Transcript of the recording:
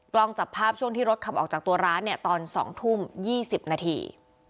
กล้องจับภาพช่วงที่รถขับออกจากตัวร้านเนี่ยตอน๒ทุ่ม๒๐นาที